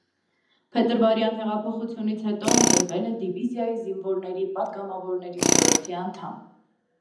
Փետրվարյան հեղափոխությունից հետո ընտրվել է դիվիզիայի զինվորների պատգամավորների խորհրդի անդամ։